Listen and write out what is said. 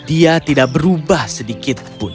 dia tidak berubah sedikitpun